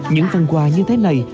những văn quà như thế này